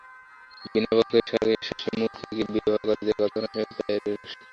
বিনয়ের পক্ষে শশিমুখীকে বিবাহ করা যে কতখানি অসংগত তাহা এইরূপ ছোটোখাটো ব্যাপারেই ফুটিয়া উঠে।